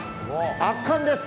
圧巻です。